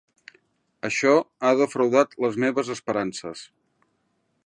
Això ha defraudat les meves esperances.